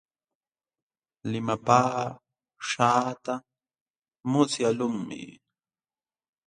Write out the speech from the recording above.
Limapaaśhqaata musyaqlunmi.